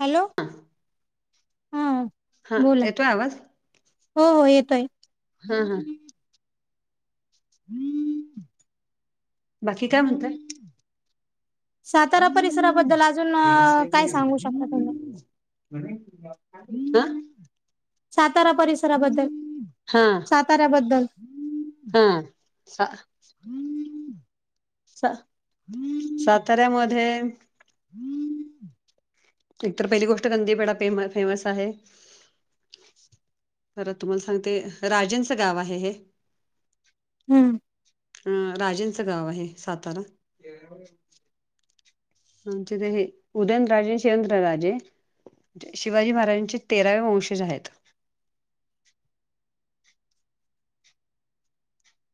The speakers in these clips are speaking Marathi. हॅलो हा हा बोला येतोय आवाज. हो हो येतोय हा हा हम् बाकी काय म्हणताय. सातारा परिसराबद्दल अजून काय सांगू शकता तुम्ही. अ सातारा परिसराबद्दल हा साताऱ्याबद्दल. हा सा साताऱ्यामध्ये एकतर पहिली गोष्ट, कंदीपेढा फेम फेमस आहे. खरं तुम्हाला सांगते, राजेंचं गाव आहे हे. हम्म अ राजेंचं गाव आहे सातारा. [inaudible] आमचे ते हे उदयनराजे आणि शेवंत्र राजे शिवाजी महाराजांचे तेरावे वंशज आहेत.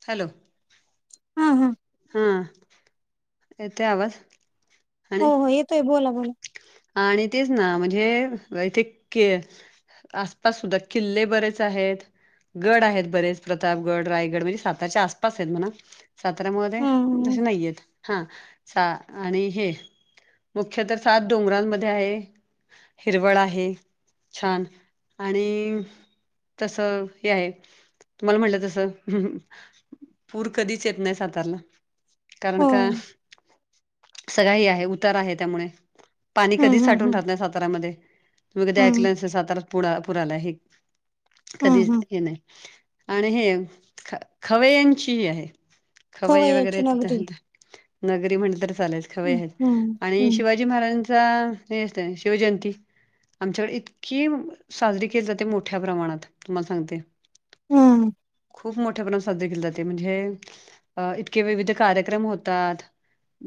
हॅलो हा हं हा येतय आवाज हो आणि हो येतोय बोला बोला आणि तेच ना म्हणजे इथे के आसपास सुद्धा किल्ले बरेच आहेत गड आहेत बरेच प्रतापगड रायगड म्हणजे साताच्या आसपास आहेत म्हणा सातारामध्ये हम्म तसे नाहीयेत हा सा आणि हे मुख्य तर सात डोंगरांमध्ये आहे हिरवळ आहे छान आणि तस हे आहे तुम्हाला म्हटलं तसं पूर कधीच येत नाही सातारऱ्याला कारण हो का सगळाही हे आहे उतार आहे त्यामुळे पाणी हम्म कधीच हम्म साठून हम्म राहत नाही साताऱामध्ये तुम्ही कधी हम्म ऐकलं नसेल सातारा पु पुर आला आहे हम्म कधी हम्म हे नाही आणि हे ख खवयांची ही आहे खवय खवय्याची वगैरे नगरी तीत नगरी म्हणल तरी चालेलं खवय्या हम्म आहेत आणि हम्म शिवा शिवाजी महाराजांचा हे असत शिवजयंती आमच्याकडे इतकी साजरी केली जाते मोठ्या प्रमाणात तुम्हाला सांगते हम्म खूप मोठ्या प्रमाणात साजरी केले जाते म्हणजे अ इतके विविध कार्यक्रम होतात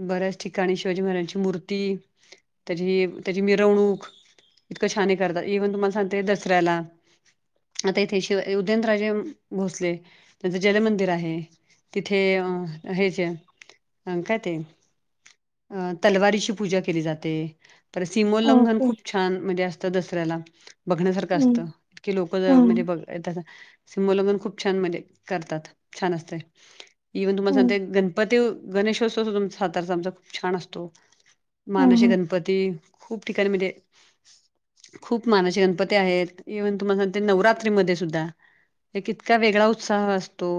बऱ्याच ठिकाणी शिवाजी महाराजांची मूर्ती त्याची त्याची मिरवणूक इतकं छान करतात इव्हन तुम्हाला सांगते दसऱ्याला आता इथे शि उदयनराजे भोसले त्यांचं जलमंदिर आहे तिथे अं हेच अं काय ते तलवारीची पूजा जात समोन ओके खूप छान म्हणजे असत दसऱ्याला. बघण्यासारखं हम्म असतं इतके लोक ज म्हणजे हम्म ब. सिमलगन खूप छान म्हणजे करतात छान असते. इव्हन तुम्हाला सांगते हम्म गणपती गणेशोत्सव सुद्धाचा साताराचा आमचा खूप छान असतो. मानाशी हम्म गणपती खूप ठिकाणी म्हणे. खूप मानास गणपती आहेत इव्हन तुम्हाला सांगते नवरात्रीमध्ये सुद्धा. हे इतका वेगळा उत्साह असतो.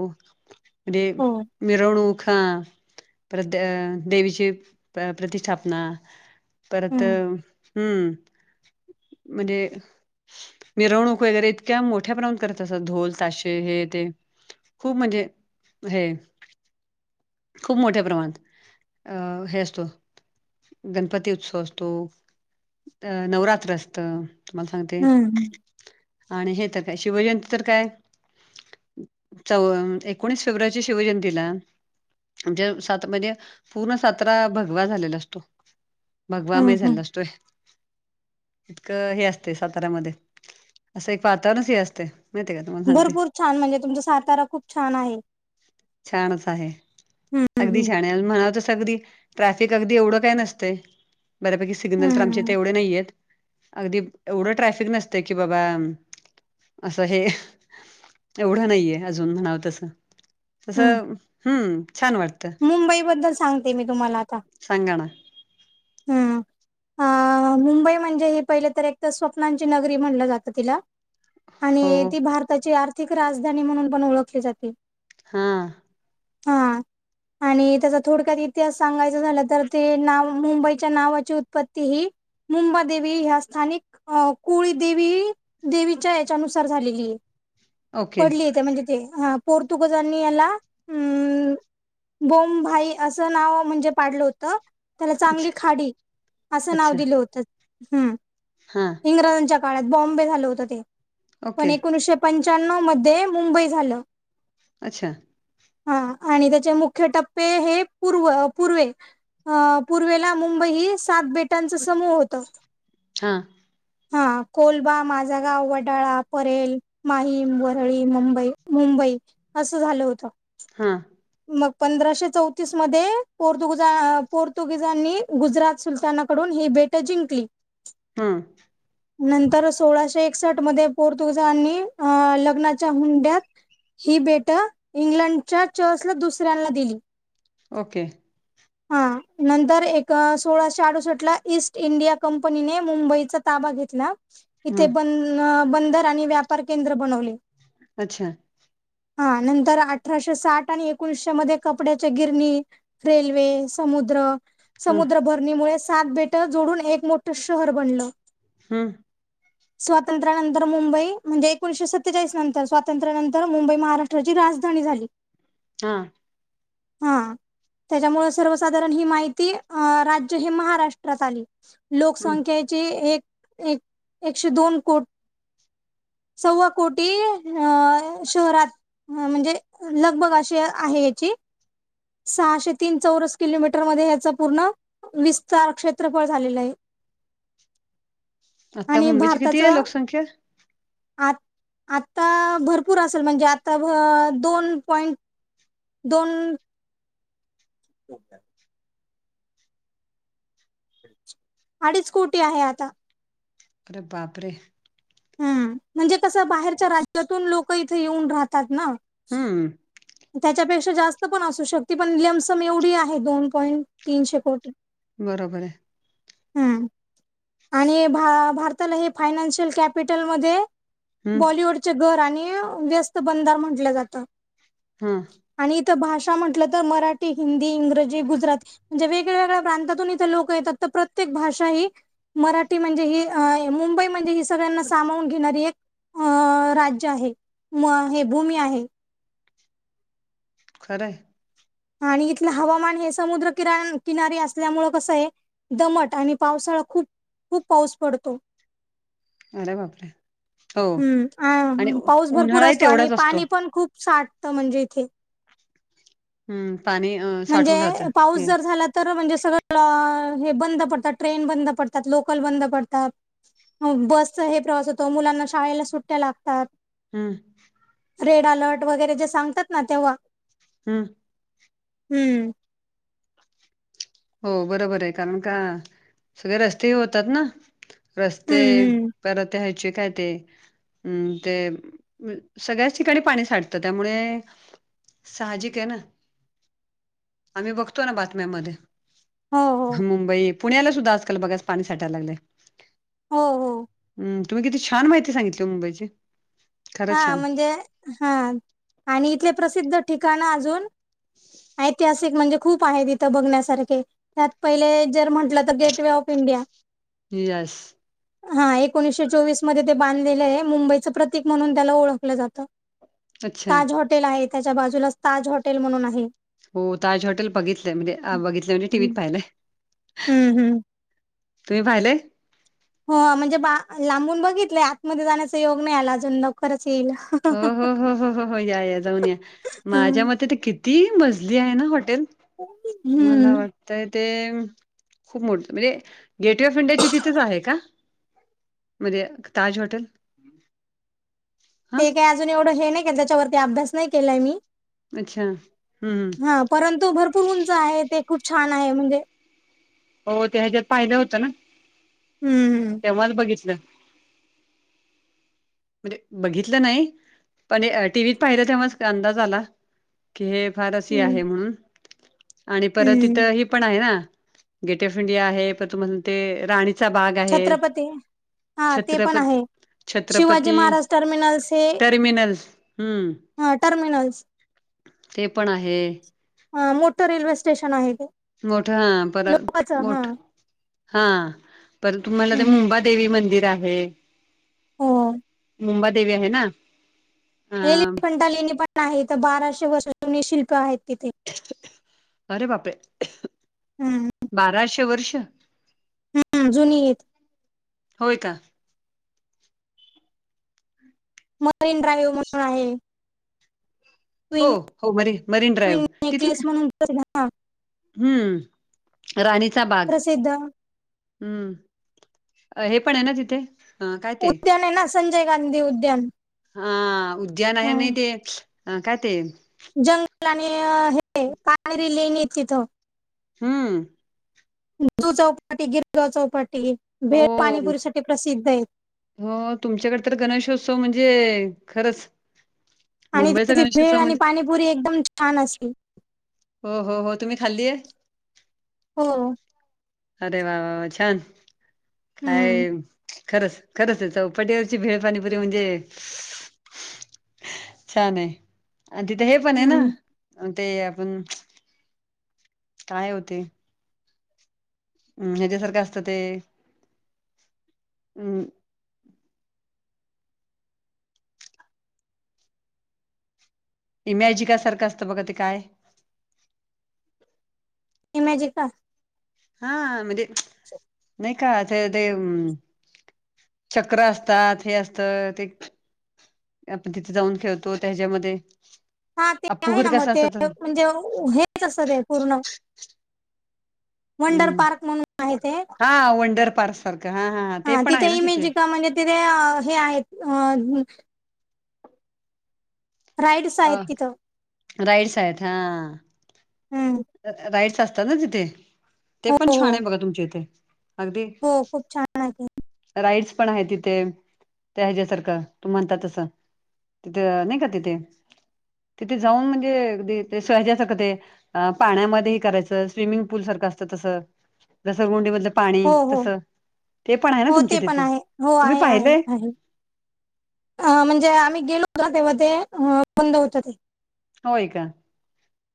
म्हणजे हो मिरवणूक प्र देवीचे प्रतिष्ठाप. ना परत हम्म हम् म्हणजे. मिरवणूक वगैरे इतक्या मोठ्या प्रमाणात करत असत ढोल ताशे हे ते. खूप म्हणजे हे. खूप मोठ्या प्रमाणात अ हे असतो. गणपती उत्सव असतो अ नवरात्र असत. ु मला सांगते हम्म आणि हे तर काय शिवजयंती तर काय. चौ एकोणीस फेब्रुवारीच्या शिवजयंतीला. म्हणजे सात म्हणजे पूर्ण सातारा भगवा झालेला असतो. भगवा हम्म मय हम्म झाला असतोय. इतकं हे असते साताऱ्यामध्ये असं एक वातावरणच हे असते. माहितीय का तुम्हाला सांगते भरपूर छान म्हणजे तुमचा सातारा खूप छान आहे. छानच आहे हम्म अगदी हम्म छान आहे म्हणाव तस अगदी. ट्रॅफिक अगदी एवढं काय नसते बऱ्यापैकी सिग्नल तर आमचे हम्म ते एवढे नाहीय आहेत. अगदी एवढं ट्रॅफिक नसत की बाबा असं हे. एवढं नाहीये अजून म्हणावं तस तस हम्म हम्म छान वाटत. मुंबईबद्दल सांगते मी तुम्हाला आता. संांगण. हम्म. अ मुंबई म्हणजे ह पहिलं तर एक स्वप्नांची नगरी म्हणलं जातं तिला. हो आणि ती भारताची आर्थिक राजधानी म्हणून पण ओळखली जाते. हा. हा आणि त्याचा थोडक्यात इतिहास सांगायच झालं तर ते नाव मुंबई. नावाची उत्पत्ती ह मुंबादेवी ह स्थानिक. अ कुळी देेवी देवीच्या याच्यानुसार झालेली आहे.. ओके पडली येत म्हणजे ते ह पोर्तुगजांनी याला अम. बोम भाई असं नाव म्हणजे पाडलं होतं. त्याला चांगली अच्छा खाडी असं नाव अच्छा दिलं होतं हम्. हां. इंग्रजांच्या काळात बॉम्बे झालं होत ते पण ओके एकोणीशे. पंच्याण्णव मध्ये मुंबई झालं. अच्छा. हा. त्याचे मुख्य टप्पे हे प पूर्वे पूर्. मुंबई सात बेट्यांच समूह होत. हां. हा कोलबा माझा गाव वडाळा परेल. माहीम वरळी मुंबई मुंबई असं झालं होतं. हां. मग पंधराशे चौतीस मध्ये पु पोर्तुगीजांनी गुजरात सुलताना. कडून ही भेट जिंकली. हा. नंतर सोळाशे एकसठ मध्ये पोर्तुगाजांनी लग्नाच्या हुंड्यात ही भेटं इंग्लंडच्या चर्सला दुसऱ्यांना दिली. ओके. हा नंतर एक सोळाशे अडुसष्ट ला ईस्ट इंडिया कंपनीने मुंबईचा ताबा घेतला. इथे हं ब बंदर आणि व्यापार केंद्र बनवले. अच्छा! हा नंतर अठराशे साठ आणि एकोणीशे मध्ये कपड्याच्या गिरणी रेल्वे समुद्र हं समुद्रभर णीमुळे सात बेट जोडून एक मोठं शहर बनलं. हम्म स्वातंत्र्यानंतर मुंबई म्हणजे एकोणीशे सत्तेचाळीस नंतर स्वातंत्र्यानंतर मुंबई महाराष्ट्र राजधानी झाली. हा हा त्याच्यामुळे सर्वसाधारण ही माहिती राज्य हे महाराष्ट्रात आली. हं लोकसंख्याची एक, एक एकशे दोन कोट. सव्वा कोटी शहरात म्हणजे लगभग अ आहे याची, सहाशे तीन चौरस किलोमीटर मध्ये या्याच पूर्ण विस्तार क्षेत्रफळ झालेलं आहे. आता आणि मुंबईची किती आहे भारताचं लोकसंख्या? आ आता भरपूर असेल म्हणजे आता दोन पॉइंट दोन हो काय? अडीच कोुटी आहे आता. बापरे! हम्म म्हणजे कसं बाहेरच्या राज्यातून लोक इथे येऊन राहतात ना. हम्म त्याच्यापेक्षा जास्त पण असू शकते पण ललेमसम एवढी आहे दोन पॉईंट तीनशे कोटी. बरोबर आहे. हम्म आणि भारताला हे फायनान्शियल कॅपिटलमध्ये हम्म बॉलिवूडचे घर आणि व्यस्त बधार म्हटलं जातं. हा आणि इथं भाषा म्हटलं तर मराठी, हिंदी, इंग्रजी, गुजराती म्हणजे वेगळ्या वेगळ्या प्रांतातून इथे लोक येतात तर प्रत्येक भाषा ह मराठी म्हणजे ही मुंबई म्हणजे ही सगळ्यांना सामावून घेणारी एक अ राज्य आहे म हे भूमी आहे. खरं आणि इथलं हवामान हे समुद्र किरा किनारी असल्यामुळ कसं आहे. दमट आणि पावसाळा खूप खूप पाऊस पडतो. अरे बापरे! हो आणि हम्म उ पाऊस भरपूर उन्हाळाही असतो आणि तेवढाच असतो. पाणी पण खूप साठतं म्हणजे इथे. हम्म पाणी अ म्हणजे साठून राहतं पाऊस हे जर झाला तर म्हणजे सगळं. हे बंद पडतात ट्रेन बंद पडतात लोकल बंद पडतात. बसचा हे प्रवास होतो मुलांना शाळेला सुट्ट्या लागतात. हम रेड अलर्ट वगैरे जे सांगतात ना तेव्हा. हम् हम्म हो बरोबर आहे कारण का सगळे रस्तेही होतात ना रस्ते हम्म हम्म परत या्यायचे काय ते हम् ते सगळ्याच ठिकाणी पाणी साठतं त्यामुळे साहजिक आहे ना आम्ही बघतो ना बातम्यामध्ये हो हो मुंबई पुण्याला सुद्धा आजकाल बघाच पाणी साठायला लागलं हो हो तुम् किती छान माहिती सांगितली मुंबईची खरंच हा छान म्हणजे हा आणि इथले प्रसिद्ध ठिकाण अजून ऐतिहासिक म्हणजे खूप आहेत इथं बघण्यासारखे त्यात पहिले जर म्हटलं तर गेटवे ऑफ इंडिया येस हा एकोणीसशे चोवीस मध्ये ते बांधलेले आहे मुंबईचं प्रतक म्हणून त्याला ओळखलं जातं अच्छा. ताज हॉटेल आहे त्याच्या बाजूला ताज हॉटेल म्हणून आहे हो ताज हॉटेल बघितलं म्हणजे बघितलं म्हणजे टीव्त हम्म. पाहिलंय हम्म हम्म तुम्ही भहिले हो म्हणजे बा लांबून बघितलंय आतमध्ये जाण्याचा योग नाही आला अजून लवकरच येईल हो हो हो हो हो हो या या जाऊन या माझ्या हं. मते तर किती मजली आहे ना हॉटेल मला हम्म वाटत तर ते खूप मोठ म्हणजे गेटवे ऑफ इंडियाची तिथेच आहे का मणध्येे ताज हॉटेल हां, ते काही अजून एवढं हे नाही केलं त्याच्यावरती अभ्यास नाही केलाय मी अच्छा. हं, हं. हा परंतु भरपूर उंच आहे ते खूप छान आहे म्हणजे हो त्या ह्याच्यात पाय होत ना हम्म तेव्हाच बघितलं म्हणजे बघितलं नाही पण टीव्हीत पाहिलं तेव्हा अंदाज आला की हे फार अशी हम्म. आहे म्हणून आणि परत हम्म इथं ही पण आहे ना गेट ऑफ इंडिया आहे तुमला राणी चा बाग आहे छत्रपती हा ते पण छत्रपत आहे. शिवाजी छत्रपती त महाराज टर्मिनल्स हे टर्मिनल हम्म हा टर्मिनल्स ते पण आहे ह मोठं रेल्वे स्टेशन आहे ते मोठ हा पर लोकांच हा मोठ हा पर तुम्हाला ते मुंबई देवी मंदिर आहे. हो मुंबादेवी आहे ना अ हे लेखंटा लेणी पण आहे तर बाराशे वर्षुनी शिल्प आहेत तिथे अरे बापे हम्म बाराशे वर्ष हा जुनी येत होय का मरीन ड्राईव्ह म्हणून आहे हो क्वीन हो मरी मरीन ड्राईव्ह तिथे का ब ना हम्म राणीचा बाग प्रसिद्ध हम्म हे पण आहे ना तिथे ह काय ते उद्यान आहे ना संजय गांधी उद्यान हा उद्यान आहे नाही ते अ काय ते जंगलाने हे पायरी लेन येत तिथं हुं. जू चौपाटी, गिरगाव चौपाटी भेळ हो पाणीपुरी साठी प्रसिद्ध आहेत. हो तुमच्याकडे तर गणेशोत्सव म्हणजे खरंच आणि मुंबईचा तिथली भेळ गणेशोत्सव आणि म्हणजे पाणीपुरी एकदम छान असते. हो हो हो तुम्ही खाल्लीय? हो. अरे वा वा वा छान हम्म काय? खरंच खरंच हाय चौपाटिवरची भेळपाणीपुरी म्हणजे [unintelligible] छान आहे आणि तिथं हे पण आहे ना, हम्म ते आपण काय ओ ते? हम् हेज्या सारखं असतं ते हम् इमॅजिका सारखं असतं बघा ते काय? इमॅजिका? हा म्हणजे नाही का ते ते? चक्र असतात, हे असतात. तर ते आपण तिथे जाऊन खेळतो त्याच्यामध्ये हा ते आहे ना, मग ते म्हणजे ओ हेच असत ते पूर्ण [inaudible] वंडर हम्म पार्क म्हणून आहे ते हा वंडर पार्क सारखं, हा हा ते पण आहे तिथे ना तिथ इमेजिका म्हणजे तिथे आ हे आहेत ह न राईड्स आहेत तिथं. राईडस आहेत हा आ. हम्म तर राईड्स असतात ना तिथे, ते हो पण हो छान आहे बघा तुमच्या इथे अगदी. हो खूप छान आहे ते राईड्स पण आहे तिथे ते ह्याच्या्सारखं तूम्ही म्हणतात तसं. तिथं नाही का तिथे? तिथे जाऊन म्हणजे अगदी ते हेझ्या सारखं ते हा पाण्यामधे हे करायचं स्विमिंग पूल सारखं असतं, तसं जसं गोंडी मधलं पाणी हो हो तसं ते पण आहे ना, हो ते तुमच्या पण तिथे आहे हो तुम्ही पाहिलंय. हा म्हणजे आम्ही गेलो होतो ना, तेव्हा ते बंद होतं ते होय का?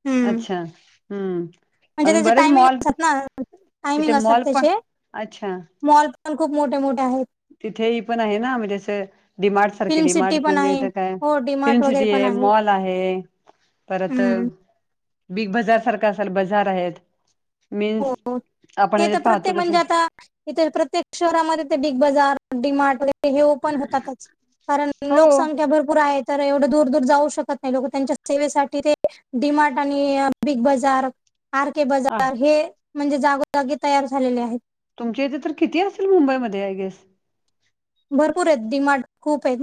हम्म अच्छा हम्म. म्हणजे अजून त्याचे बरेच टायमिंग मॉल असतात ना टायमिंग तिथे असतात. मॉल पण त्याचे अच्छा मॉल पण खूप मोठे मोठे आहेत. तिथे हे पण आहे ना, म्हणजे असं डीमार्ट सारखे फिल्म सिटी डीमार्ट पण आहे इथ काय? हो फिल्म डीमार्ट वगैरे सिटी पण ए मॉल आहे परत हम्म बिग बजार सारखा असाल बजार आहेत, हो मीन्स हो आपण ते तर ह्याच्यात प्रत्येक पाहतो तसे म्हणजे आता इथे प्रत्येक शहरामध्ये ते बिग बजार, डी मार्ट वगैरे हे ओपण होतातच कारण हो लोकसंख्या भरपूर आहेत. तर एवढं दूर दूर जाऊ शकत नाही लोक, त्यांच्या सेवेसाठी ते डी मार्ट आणि बिग बजार आर के बजार हे म्हणजे जागोजागी तयार झालेले आहेत. तुमच्या इथे तर किती असेल मुंबईमध्ये आय गेस? भरपूर आहेत. डि मार्ट खूप आहेत.